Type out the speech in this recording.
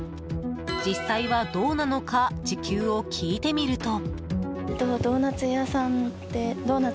実際はどうなのか時給を聞いてみると。